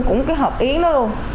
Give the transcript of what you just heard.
cũng cái hộp yến đó luôn